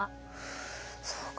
そうか。